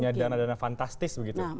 yang punya dana dana fantastis begitu